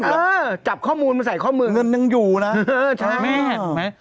เออจับข้อมูลมาใส่ข้อมูลเงินนึงอยู่น่ะเออใช่แม่แม่